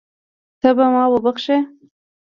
ته به ما وبښې.